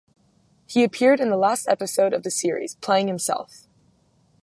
He appeared in the last episode of the series, playing himself.